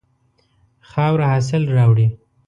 خاوره حاصل راوړي.